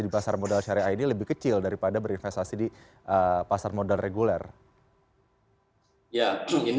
di pasar modal syariah ini lebih kecil daripada berinvestasi di pasar modal reguler ya ini